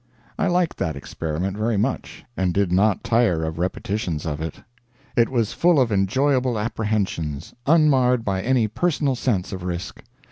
I liked that experiment very much, and did not tire of repetitions of it. It was full of enjoyable apprehensions, unmarred by any personal sense of risk.